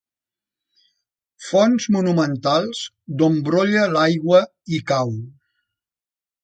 Fonts monumentals d'on brolla l'aigua i cau.